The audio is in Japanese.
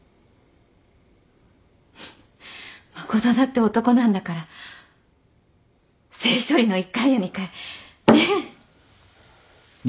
誠だって男なんだから性処理の一回や二回ねえ？